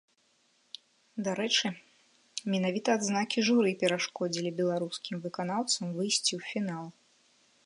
Дарэчы, менавіта адзнакі журы перашкодзілі беларускім выканаўцам выйсці ў фінал.